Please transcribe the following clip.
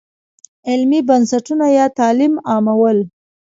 علمي بنسټونه یا تعلیم عامول.